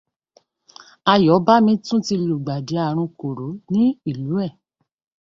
Ayọ̀bámi ti tún lùgbàdì aàrùn kòró ní ìlú ẹ̀.